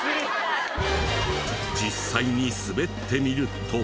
実際に滑ってみると。